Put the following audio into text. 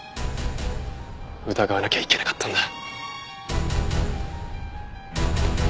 疑わなきゃいけなかったんだ。